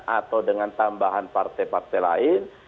atau dengan tambahan partai partai lain